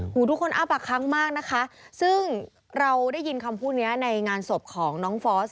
ทุกคนอ้าปากค้างมากนะคะซึ่งเราได้ยินคำพูดนี้ในงานศพของน้องฟอส